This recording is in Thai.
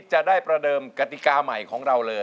จะได้ประเดิมกติกาใหม่ของเราเลย